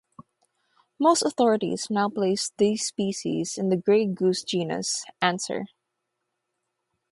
Most authorities now place these species in the grey goose genus "Anser".